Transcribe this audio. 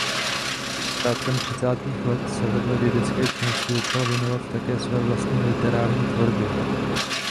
Počátkem třicátých let se vedle vědecké činnosti začal věnovat také své vlastní literární tvorbě.